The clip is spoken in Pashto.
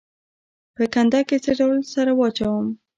په کنده کې څه ډول سره واچوم؟